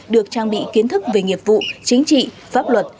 được trang bị kiến thức về nghiệp vụ chính trị pháp luật